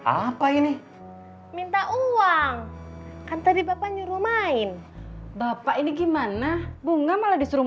apa ini minta uang kan tadi bapak nyuruh main bapak ini gimana bunga malah disuruh